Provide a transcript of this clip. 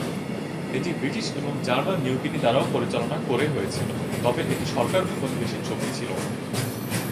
এটি ব্রিটিশ এবং German New Guinea দ্বারাও পরিচালনা করে হয়েছিল, তবে এটি সরকারী উপনিবেশিক শক্তি ছিল না।